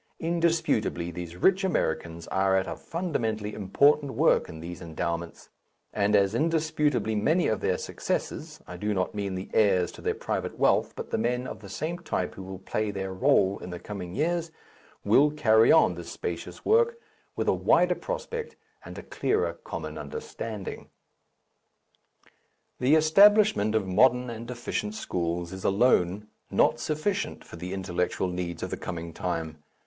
Indisputably these rich Americans are at a fundamentally important work in these endowments, and as indisputably many of their successors I do not mean the heirs to their private wealth, but the men of the same type who will play their rôle in the coming years will carry on this spacious work with a wider prospect and a clearer common understanding. The establishment of modern and efficient schools is alone not sufficient for the intellectual needs of the coming time.